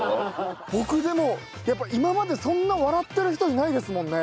僕でもやっぱ今までそんな笑ってる人いないですもんね。